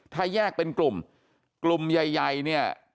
ถ้าแยกเป็นกลุ่มกลุ่มใหญ่เนี่ย